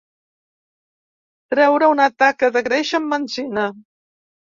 Treure una taca de greix amb benzina.